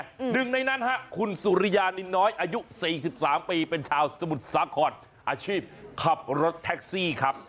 หนึ่งในนั้นคุณสุรญาณิน้อยอายุ๔๓ปีเป็นชาวสมุทรสาขนอาชีพขับรถแท็กซี่ครับ